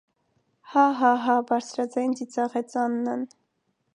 - Հա՜, հա՜, հա՜,- բարձրաձայն ծիծաղեց Աննան: